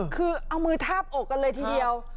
คือเอามือทาบอกกันเลยทีเดียว